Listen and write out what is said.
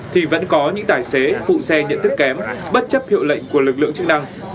thì vẫn có những tài xế phụ xe nhận thức kém bất chấp hiệu lệnh của lực lượng chức năng